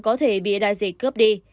có thể bị đại dịch cướp đi